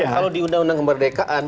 kalau di undang undang kemerdekaan